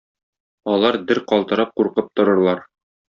Алар дер калтырап куркып торырлар.